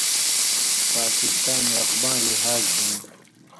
پاکستان رقباں لحاظ ہِن